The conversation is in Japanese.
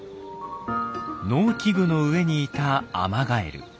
農機具の上にいたアマガエル。